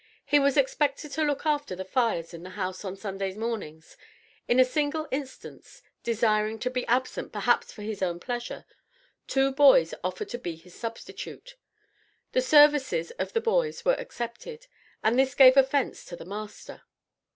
He was expected to look after the fires in the house on Sunday mornings. In a single instance desiring to be absent, perhaps for his own pleasure, two boys offered to be his substitute. The services of the boys were accepted, and this gave offence to the master.